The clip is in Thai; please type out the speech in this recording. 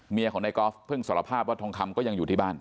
ของนายกอล์ฟเพิ่งสารภาพว่าทองคำก็ยังอยู่ที่บ้าน